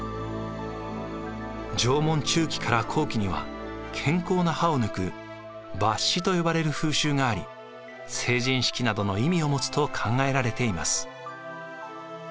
縄文中期から後期には健康な歯を抜く抜歯と呼ばれる風習があり成人式などの意味を持つと考えられています。